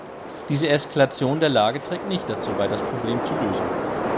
Diese Eskalation der Lage trägt nicht dazu bei, das Problem zu lösen.